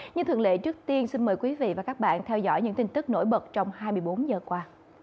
như thường lệ trước tiên xin mời quý vị và các bạn theo dõi những tin tức nổi bật trong hai mươi bốn giờ qua